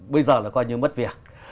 bây giờ là coi như mất việc